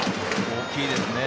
大きいですね。